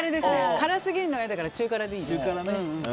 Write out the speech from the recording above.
辛すぎるのは嫌だから中辛でいいです。